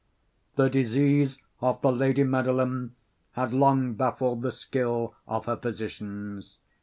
The disease of the lady Madeline had long baffled the skill of her physicians.